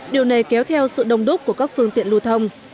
điều này kéo theo sự đông đúc của các phương tiện lưu thông